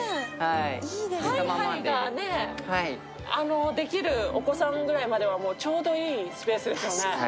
ハイハイができるお子さんぐらいまでは、ちょうどいいスペースですね。